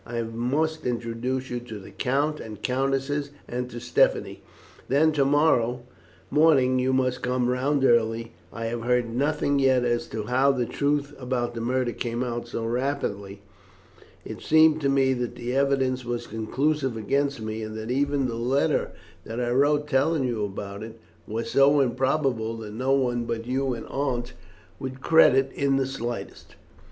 I must introduce you to the count and countess, and to Stephanie. Then to morrow morning you must come round early. I have heard nothing yet as to how the truth about that murder came out so rapidly. It seemed to me that the evidence was conclusive against me, and that even the letter that I wrote telling you about it, was so improbable that no one but you and Aunt would credit, in the slightest."